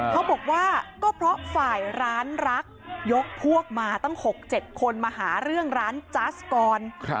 เขาบอกว่าก็เพราะฝ่ายร้านรักยกพวกมาตั้ง๖๗คนมาหาเรื่องร้านจัสก่อน